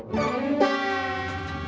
ini mbak mbak ketinggalan